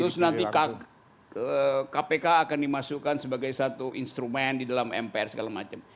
terus nanti kpk akan dimasukkan sebagai satu instrumen di dalam mpr segala macam